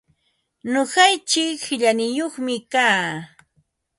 Nuqaichik qillaniyuqmi kaa.